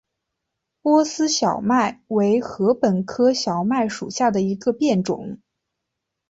波斯小麦为禾本科小麦属下的一个变种。